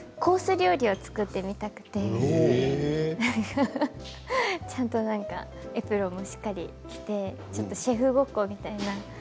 料理を作ってみたくてちゃんとエプロンもしっかり着てシェフごっこみたいな。